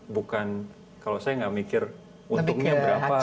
bukan kalau saya nggak mikir untuknya berapa gitu